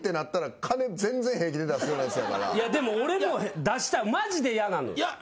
いやでも俺も出したいマジで嫌なの。